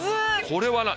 これは何？